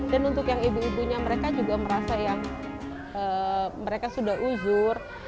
dan untuk yang ibu ibunya mereka juga merasa yang mereka sudah uzur